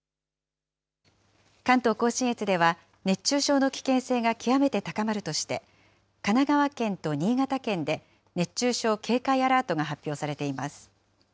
関東甲信越では、熱中症の危険性が極めて高まるとして、神奈川県と新潟県で熱中症警戒アラートが発表されています。